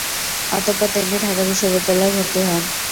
অতঃপর তিনি ঢাকা বিশ্ববিদ্যালয়ে ভর্তি হন।